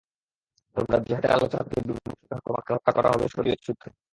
তোমরা জেহাদের আলোচনা থেকে বিমুখ, সুতরাং তোমাকে হত্যা করা হবে শরিয়তশুদ্ধ।